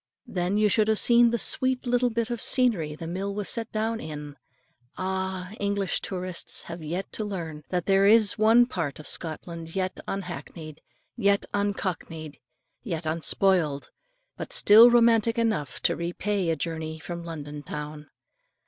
Then you should have seen the sweet little bit of scenery the mill was set down in. Ah! English tourists have yet to learn, that there is one part of Scotland yet unhackneyed, yet uncockneyed, yet unspoiled, but still romantic enough to repay a journey from London town.